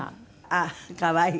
あっ可愛い。